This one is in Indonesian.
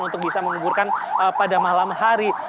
untuk bisa menguburkan pada malam hari